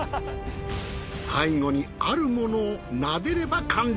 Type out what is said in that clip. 最後にあるものを撫でれば完了。